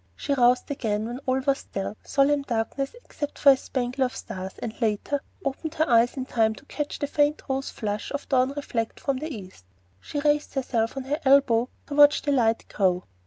She roused again when all was still, solemn darkness except for a spangle of stars, and later, opened her eyes in time to catch the faint rose flush of dawn reflected from the east. She raised herself on her elbow to watch the light grow.